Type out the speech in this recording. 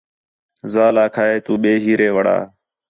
ذال آکھا ہِے تو ٻئے ہیرے وڑا